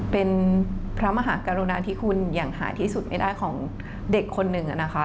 เป็นพระมหากรุณาที่คุณอย่างหาที่สุดไม่ได้ของเด็กคนหนึ่งนะคะ